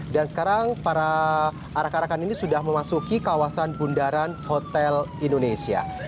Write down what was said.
dan sekarang para arak arakan ini sudah memasuki kawasan bundaran hotel indonesia